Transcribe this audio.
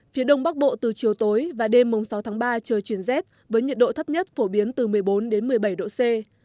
phía đông bắc bộ từ chiều tối và đêm sáu tháng ba trời chuyển rét với nhiệt độ thấp nhất phổ biến từ một mươi bốn đến một mươi bảy độ c